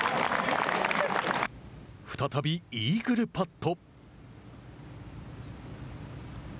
再びイーグルパット。